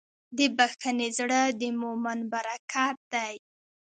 د بښنې زړه د مؤمن برکت دی.